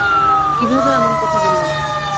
কিভাবে এমন কথা বললাম?